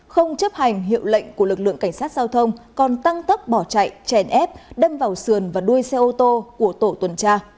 không chấp hành hiệu lệnh của lực lượng cảnh sát giao thông còn tăng tấp bỏ chạy chèn ép đâm vào sườn và đuôi xe ô tô của tổ tuần tra